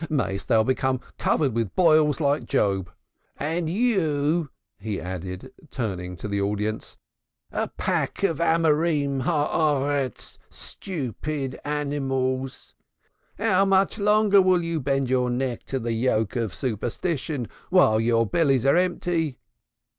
Mayest thou become covered with boils like Job! And you," he added, turning on the audience, "pack of Men of the earth! Stupid animals! How much longer will you bend your neck to the yoke of superstition while your bellies are empty?